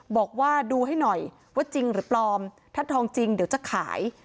บอกว่าดูให้หน่อยว่าจริงหรือปลอมถ้าทองจริงเดี๋ยวจะขาย